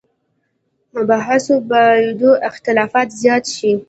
مباحثو بابېدو اختلاف زیات شي.